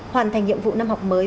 hoàn thành nhiệm vụ năm học mới